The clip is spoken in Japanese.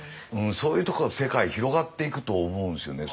そういうところの世界広がっていくと思うんですよね。